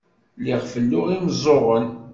Lliɣ felluɣ imeẓẓuɣen.